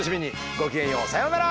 ごきげんようさようなら！